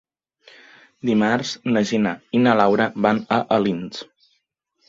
Dimarts na Gina i na Laura van a Alins.